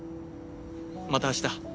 また明日。